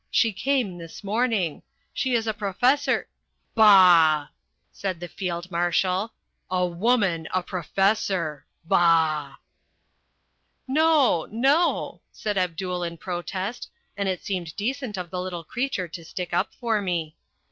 "She came this morning. She is a professor " "Bah!" said the Field Marshal, "a woman a professor! Bah!" "No, no," said Abdul in protest, and it seemed decent of the little creature to stick up for me.